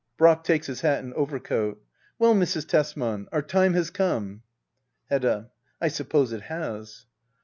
Brack. \Takes his hat and overcoat.] Well, Mrs. Tesman, our time has come. Hedda. I suppose it has.